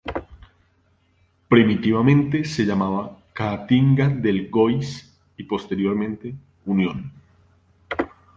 Primitivamente se llamaba Caatinga del Góis y posteriormente Unión.